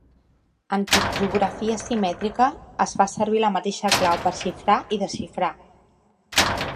En criptografia simètrica, es fa servir la mateixa clau per xifrat i desxifrat.